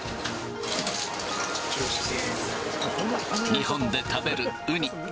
日本で食べるウニ。